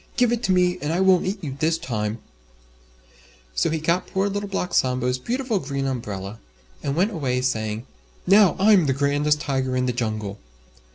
"Give it to me and I won't eat you this time." So he got poor Little Black Sambo's beautiful Green Umbrella, and went away saying, "Now I'm the grandest Tiger in the Jungle."